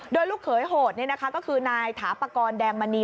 โดยลูกเขยโหดก็คือนายถาปากรแดงมณี